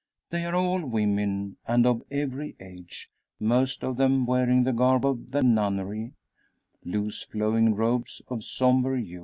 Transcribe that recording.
They are all women, and of every age; most of them wearing the garb of the nunnery, loose flowing robes of sombre hue.